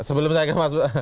sebelum saya kemas